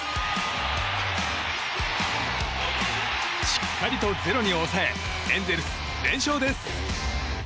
しっかりと０に抑えエンゼルス、連勝です。